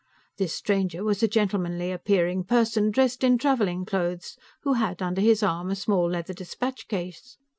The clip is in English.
This stranger was a gentlemanly appearing person, dressed in traveling clothes, who had under his arm a small leather dispatch case.